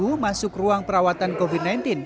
untuk masuk ke ruang perawatan covid sembilan belas